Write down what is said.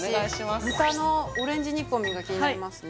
私豚のオレンジ煮込みが気になりますね